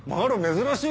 珍しい